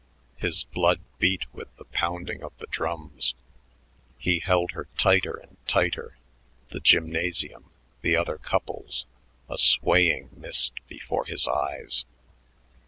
His blood beat with the pounding of the drums. He held her tighter and tighter the gymnasium, the other couples, a swaying mist before his eyes.